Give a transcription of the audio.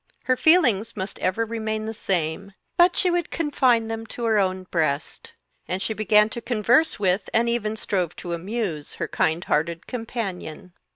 Her feelings must ever remain the same, but, she would confine them to her own breast; and she began to converse with and even strove to amuse, her kindhearted companion.